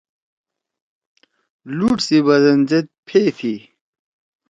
لُوڑ سی بدَن زید پَھے تھی۔